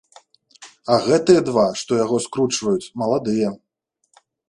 А гэтыя два, што яго скручваюць, маладыя.